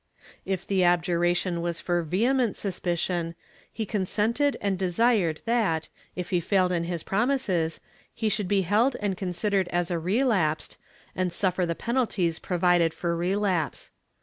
If the abjiira tion was for vehement suspicion, he consented and desired that, if he failed in his promises, he should be held and considered as a relapsed and suffer the penalties provided for relapse.